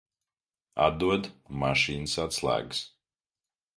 Atdod mašīnas atslēgas.